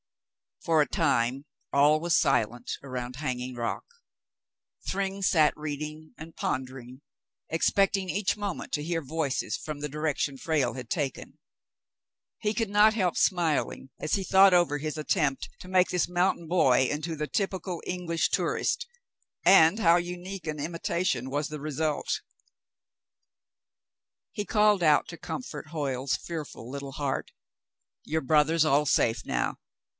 For a time all was silent around Hanging Rock. Thryng sat reading and pondering, expecting each moment to hear voices from the direction Frale had taken. He could not help smiling as he thought over his attempt to make this mountain boy into the typical English tourist, and how unique an imitation was the result. David aids Frale to Escape 63 He called out to comfort Hoyle's fearful little heart : "Your brother's all safe now.